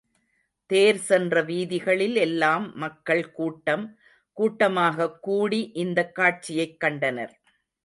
தேர் சென்ற வீதிகளில் எல்லாம் மக்கள் கூட்டம் கூட்டமாகக் கூடி இந்தக் காட்சியைக் கண்டனர்.